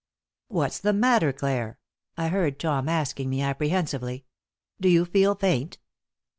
"What's the matter, Clare?" I heard Tom asking me, apprehensively. "Do you feel faint?"